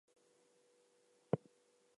It may feature automatic or manual reset.